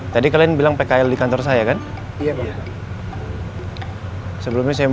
tadi kalian bilang pkl di kantor saya kan see printed me